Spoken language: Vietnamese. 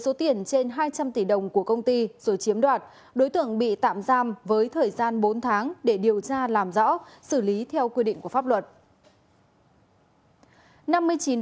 xin chào và hẹn gặp lại